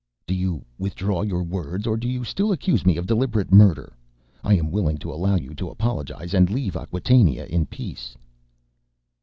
"Do you withdraw your words, or do you still accuse me of deliberate murder? I am willing to allow you to apologize and leave Acquatainia in peace."